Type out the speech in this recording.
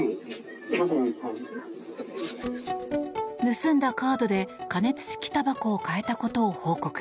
盗んだカードで加熱式たばこを買えたことを報告。